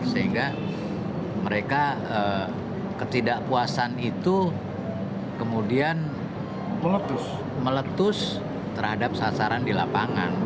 sehingga mereka ketidakpuasan itu kemudian meletus terhadap sasaran di lapangan